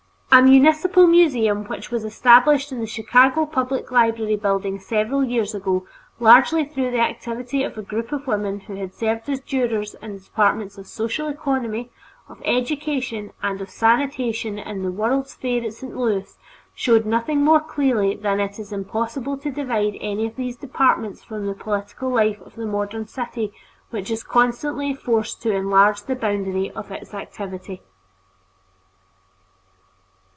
A Municipal Museum which was established in the Chicago public library building several years ago, largely through the activity of a group of women who had served as jurors in the departments of social economy, of education, and of sanitation in the World's Fair at St. Louis, showed nothing more clearly than that it is impossible to divide any of these departments from the political life of the modern city which is constantly forced to enlarge the boundary of its activity.